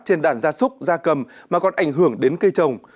trên đàn da súc da cầm mà còn ảnh hưởng đến cây trồng